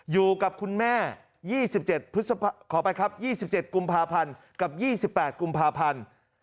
อยู่กับคุณแม่๒๗ขอไปครับ๒๗กุมภาพันธ์กับ๒๘กุมภาพันธ์